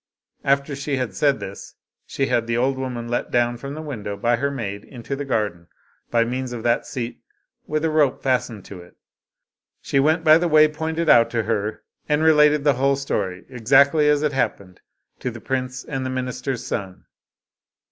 After she had said this, she had the old woman let down from the window by her maid into the garden, by means of that seat with a rope fastened to it. She went by the way pointed out to her, and related the whole story, exactly as it happened, to the prince and the minister's son.